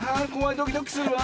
ドキドキするわ。